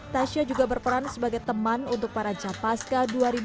tasya juga berperan sebagai teman untuk para capaska dua ribu dua puluh